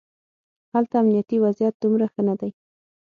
هلته امنیتي وضعیت دومره ښه نه دی.